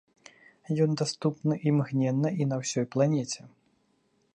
Ён даступны імгненна і на ўсёй планеце.